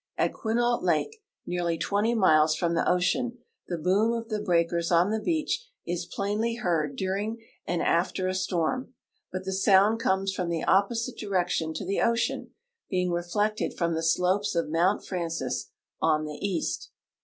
At (iuinault lake, nearly 20 miles from the ocean, the boom of the breakers on the lujach is plainly heard during and after a storm, but the sound comes from the opposite direction to the ocean, being rellecti'd from the slopes of mount Frances on the east.